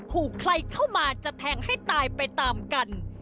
ขู่ใครเข้ามาจะแทงให้ตายไปตามกัน